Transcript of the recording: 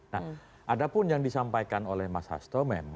nah ada pun yang disampaikan oleh mas hasto memang